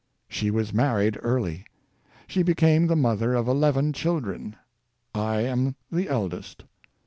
She was married early. She became the mother of eleven children; I am the eldest.